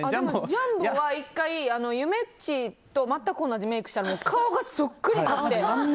ジャンボは１回ゆめっちと全く同じメイクをしたら顔がそっくりなんで。